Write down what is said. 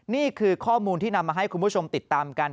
นี่คือข้อมูลที่นำมาให้คุณผู้ชมติดตามกัน